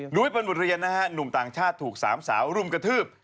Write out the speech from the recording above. ุ้ยเป็นบทเรียนนะฮะหนุ่มต่างชาติถูก๓สาวรุมกระทืบ